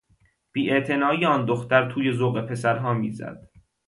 بیاعتنایی آن دختر توی ذوق پسرها میزد.